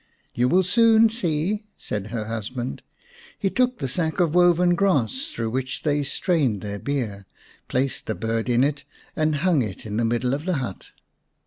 " You will soon see," said her husband. He took the sack of woven grass through which they strained their beer, placed the bird in it, and hung it in the middle of the hut.